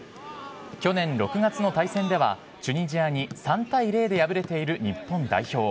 去年６月の対戦では、チュニジアに３対０で敗れている日本代表。